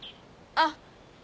あっ！